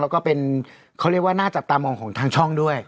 แล้วก็เป็นเขาเรียกว่าน่าจับตามองของทางช่องด้วย